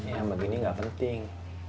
yang begini gak penting